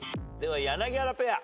柳原ペア。